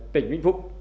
tỉnh vĩnh phúc